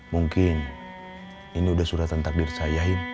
mungkin ini udah suratan takdir saya